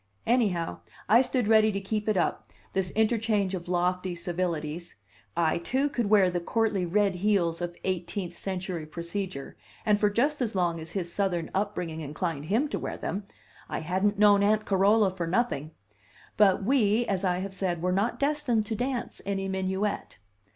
Anyhow, I stood ready to keep it up, this interchange of lofty civilities. I, too, could wear the courtly red heels of eighteenth century procedure, and for just as long as his Southern up bringing inclined him to wear them; I hadn't known Aunt Carola for nothing! But we, as I have said, were not destined to dance any minuet.